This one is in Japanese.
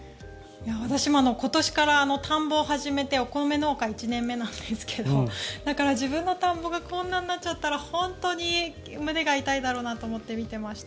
私も今年から田んぼを始めてお米農家１年目なんですが自分の田んぼがこんなになっちゃったら本当に胸が痛いだろうなと思って、見ていました。